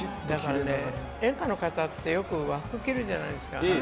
演歌の方ってよく和服着るじゃないですか。